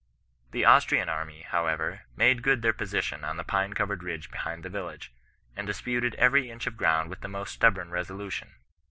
The Austrian army, however, made good their position on the pine covered ridge behind the vilr hbge, and disputed every inch of ground with the most stubborn resolution.